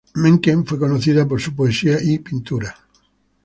Menken fue conocida por su poesía y pintura.